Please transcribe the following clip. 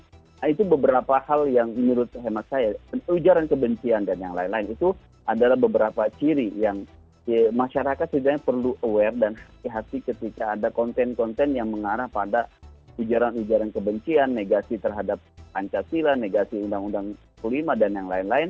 nah itu beberapa hal yang menurut hemat saya ujaran kebencian dan yang lain lain itu adalah beberapa ciri yang masyarakat sebenarnya perlu aware dan hati hati ketika ada konten konten yang mengarah pada ujaran ujaran kebencian negasi terhadap pancasila negasi undang undang kelima dan yang lain lain